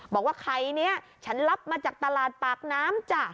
บอกว่าไข่นี้ฉันรับมาจากตลาดปากน้ำจ้ะ